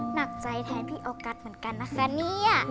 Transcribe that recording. หนักใจแทนพี่โอกัสเหมือนกันนะคะเนี่ย